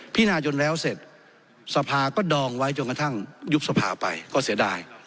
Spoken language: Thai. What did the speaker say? พี่นายนแล้วเสร็จสภาก็ดองไว้จนกระทั่งยุบสภาไปก็เสียดาย